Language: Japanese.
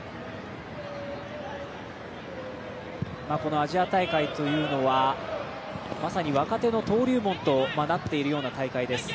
このアジア大会というのはまさに、若手の登竜門となっているような大会です。